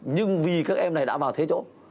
nhưng vì các em này đã vào thế chỗ